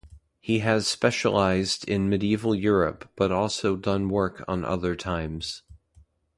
He has specialized in Medieval Europe but also done work on other times.